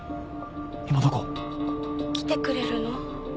今どこ？来てくれるの？